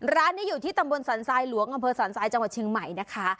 ร้านนี้อยู่ที่ตำบลสรรทรายหลวงอำเภอสรรทรายจังหวัดเชียงใหม่นะคะ